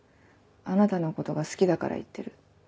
「あなたのことが好きだから言ってる」。